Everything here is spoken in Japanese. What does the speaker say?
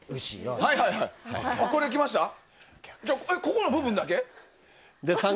ここの部分だけ？